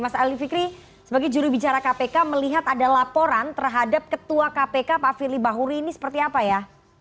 mas ali fikri sebagai jurubicara kpk melihat ada laporan terhadap ketua kpk pak firly bahuri ini seperti apa ya